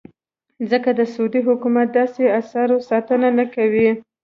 ځکه د سعودي حکومت داسې اثارو ساتنه نه کوي.